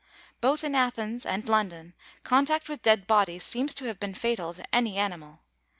Both in Athens and London, contact with the dead bodies seems to have been fatal to any animal.